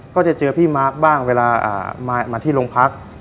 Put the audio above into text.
ก็จะเจอพี่มาร์คบ้างเวลามาที่โรงพัก